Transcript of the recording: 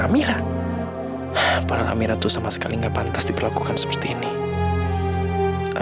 sampai jumpa di video selanjutnya